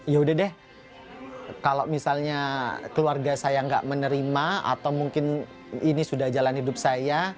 ya udah deh kalau misalnya keluarga saya nggak menerima atau mungkin ini sudah jalan hidup saya